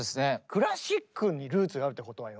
クラシックにルーツがあるってことはよ